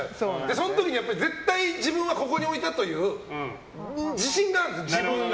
その時に絶対自分はここに置いたという自信があるんです、自分が。